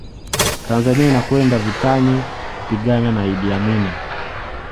Tanzania inakwenda vitani kupigana na Iddi Amini